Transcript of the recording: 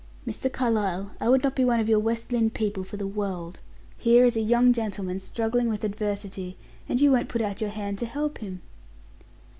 "Mr. Carlyle I would not be one of your West Lynne people for the world. Here is a young gentleman struggling with adversity, and you won't put out your hand to help him!"